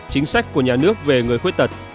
chính sách của nhà nước về người khuyết tật